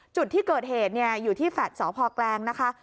จุดที่เกิดเหตุอยู่ที่แฟลต์สพแกลงนะคะ